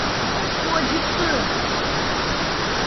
Bu acıttı!